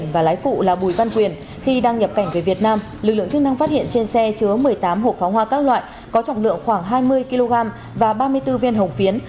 và pháo hoa các loại có trọng lượng khoảng hai mươi kg và ba mươi bốn viên hồng phiến